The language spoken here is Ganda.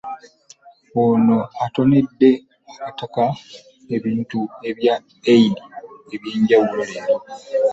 Ono atonedde abataka ebintu bya Eid eby'enjawulo leero.